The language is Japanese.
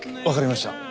わかりました。